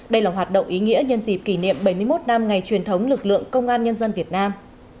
đây là hoạt động ý nghĩa nhân dịp kỷ niệm bảy mươi một năm ngày truyền thống lực lượng công an nhân dân việt nam